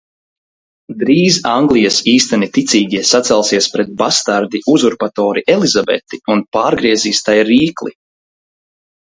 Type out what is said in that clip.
Drīz Anglijas īsteni ticīgie sacelsies pret bastardi uzurpatori Elizabeti un pārgriezīs tai rīkli!